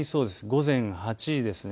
午前８時ですね。